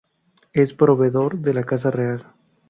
Es proveedor de la Casa Real.